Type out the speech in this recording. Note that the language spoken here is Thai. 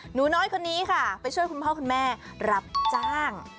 หนูน้อยคนนี้ค่ะไปช่วยคุณพ่อคุณแม่รับจ้าง